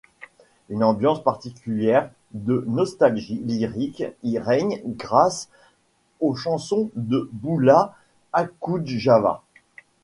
Une ambiance particulière de nostalgie lyrique y règne grâce aux chansons de Boulat Okoudjava.